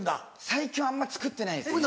最近はあんま作ってないですね。